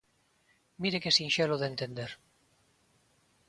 ¡Mire que sinxelo de entender!